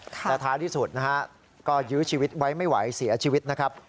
และท้ายที่สุดนะฮะก็ยื้อชีวิตไว้ไม่ไหวเสียชีวิตนะครับ